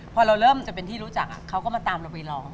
พอเราเริ่มจะเป็นที่รู้จักเขาก็มาตามเราไปลอง